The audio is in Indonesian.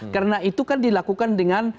karena itu kan dilakukan dengan